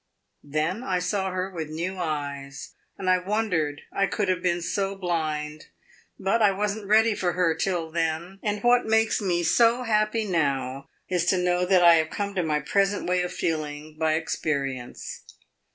Then I saw her with new eyes, and I wondered I could have been so blind. But I was n't ready for her till then, and what makes me so happy now is to know that I have come to my present way of feeling by experience.